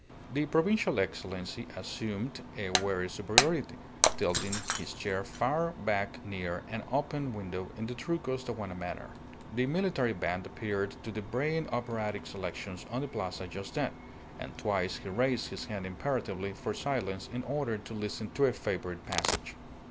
The provincial Excellency assumed a weary superiority, tilting his chair far back near an open window in the true Costaguana manner. The military band happened to be braying operatic selections on the plaza just then, and twice he raised his hand imperatively for silence in order to listen to a favourite passage.